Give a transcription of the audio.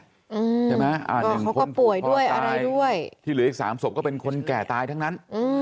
ใช่ไหมเขาก็ป่วยด้วยอะไรด้วยที่เหลืออีกสามศพก็เป็นคนแก่ตายทั้งนั้น